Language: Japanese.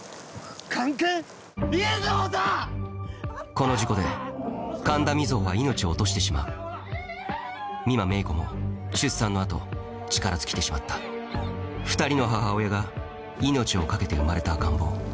この事故で神田水帆は命を落としてしまう美馬芽衣子も出産の後力尽きてしまった２人の母親が命を懸けて生まれた赤ん坊